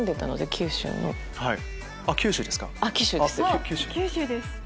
九州です！